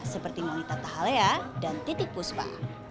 seperti monitata halea dan titik puspa